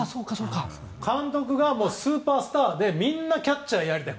監督がスーパースターでみんなキャッチャーやりたい。